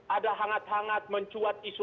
ada hangat hangat mencuat isu